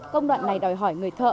công đoạn này đòi hỏi người thợ